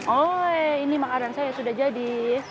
oh ini makanan saya sudah jadi